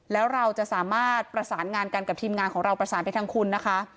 แล้วเราจะสามารถประสานงานกันกับทีมงานของเราประสานไปทางคุณนะคะ